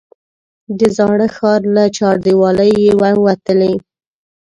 د زاړه ښار له چاردیوالۍ چې ووتلې.